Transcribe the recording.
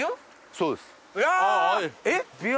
そうです。